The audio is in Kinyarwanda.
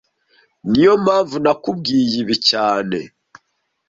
Niyo mpamvu nakubwiye ibi cyane